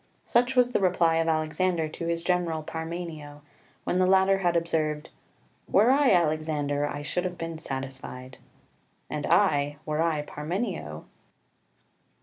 Such was the reply of Alexander to his general Parmenio, when the latter had observed, "Were I Alexander, I should have been satisfied"; "And I, were I Parmenio"...